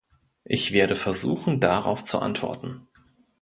Ich werde versuchen, darauf zu antworten.